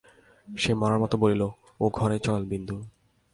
সে মড়ার মতো বলিল, ওঘরে চল বিন্দু।